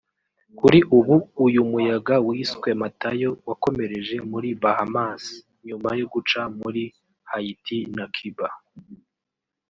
Kuri ubu uyu muyaga wiswe Matayo wakomereje muri Bahamas nyuma yo guca muri Haiti na Cuba